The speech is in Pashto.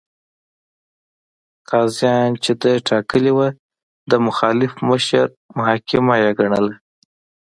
قاضیان چې ده ټاکلي وو، د مخالف مشر محاکمه یې ګڼله.